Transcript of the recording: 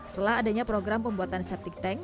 setelah adanya program pembuatan septic tank